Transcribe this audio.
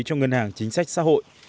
cho ngân hàng chính sách xã hội